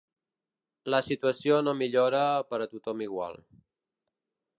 La situació no millora per a tothom igual.